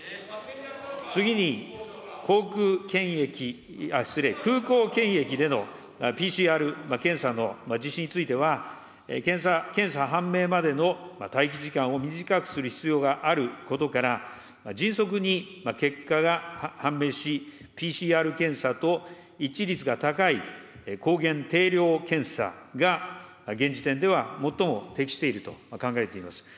次に、航空検疫、失礼、空港検疫でのＰＣＲ検査の実施については、検査判明までの待機時間を短くする必要があることから、迅速に結果が判明し、ＰＣＲ検査と一致率が高い抗原定量検査が、現時点では最も適していると考えています。